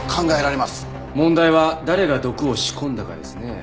問題は誰が毒を仕込んだかですね。